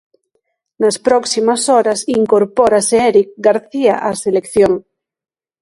Nas próximas horas incorpórase Éric García á selección.